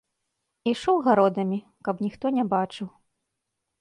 Ішоў гародамі, каб ніхто не бачыў.